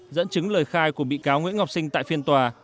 dẫn chứng lời khai của bị cáo nguyễn ngọc sinh tại phiên tòa